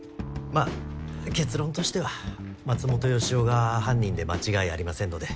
まあ結論としては松本良夫が犯人で間違いありませんので。